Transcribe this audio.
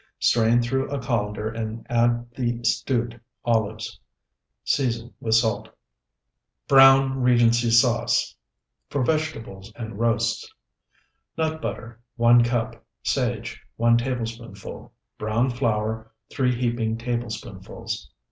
Strain through a colander and add the stewed olives. Season with salt. BROWN REGENCY SAUCE (For Vegetables and Roasts) Nut butter, 1 cup. Sage, 1 tablespoonful. Browned flour, 3 heaping tablespoonfuls.